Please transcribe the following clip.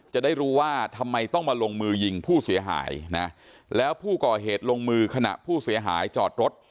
จะได้รู้ว่าทำไมต้องมาลงมือยิงผู้เสียหายนะแล้วผู้ก่อเหตุลงมือขณะผู้เสียหายจอดรถ